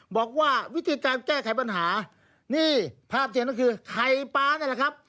บอกว่าวิธีการแก้ไขปัญหานี่ภาพที่เห็นก็คือไข่ปลานี่แหละครับ